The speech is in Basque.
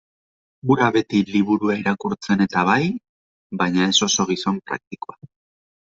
Hura beti liburu irakurtzen-eta bai, baina ez oso gizon praktikoa.